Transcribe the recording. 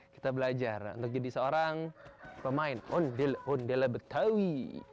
kita belajar untuk jadi seorang pemain ondel ondel betawi